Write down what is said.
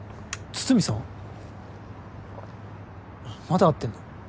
まだ会ってんの？